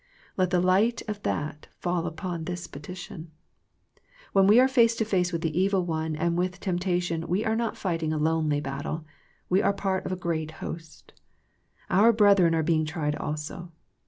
Let the light of that fall upon this petition. When we are face to face with the evil one and with temp tation, we are not fighting a lonely battle, we are part of a great host. Our brethren are being tried also.